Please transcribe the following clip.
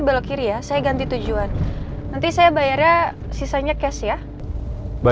belok kiri ya saya ganti tujuan nanti saya bayarnya sisanya cash ya nanti saya bayarnya sisanya cash ya nanti saya bayarnya sisanya cash ya